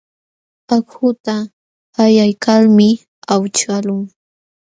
Akhuta allaykalmi awchaqlun.